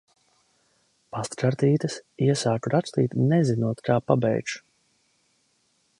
Pastkartītes. Iesāku rakstīt, nezinot, kā pabeigšu.